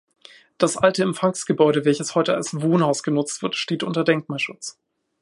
Das alte Empfangsgebäude, welches heute als Wohnhaus genutzt wird, steht unter Denkmalschutz.